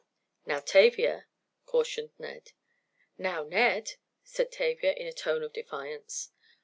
"Now Tavia," cautioned Ned. "Now Ned," said Tavia, in a tone of defiance.